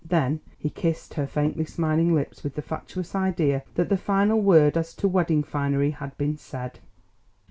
Then he kissed her faintly smiling lips with the fatuous idea that the final word as to wedding finery had been said.